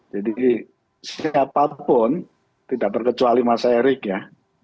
jadi siapapun tidak terkecuali mas erick ya